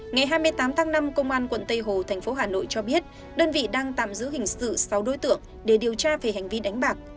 ngày hai mươi tám tháng năm công an quận tây hồ thành phố hà nội cho biết đơn vị đang tạm giữ hình sự sáu đối tượng để điều tra về hành vi đánh bạc